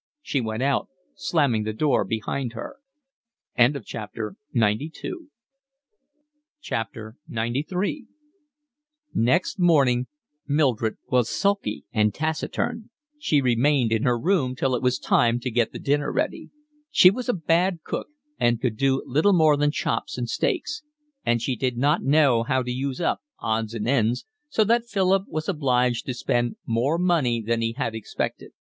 She went out, slamming the door behind her. XCIII Next morning Mildred was sulky and taciturn. She remained in her room till it was time to get the dinner ready. She was a bad cook and could do little more than chops and steaks; and she did not know how to use up odds and ends, so that Philip was obliged to spend more money than he had expected.